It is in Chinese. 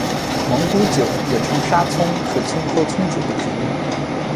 蒙古韭也称沙葱是葱科葱属的植物。